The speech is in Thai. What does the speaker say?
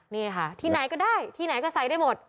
นี่ค่ะที่ไหนก็ได้ที่ไหนก็ใส่ได้หมด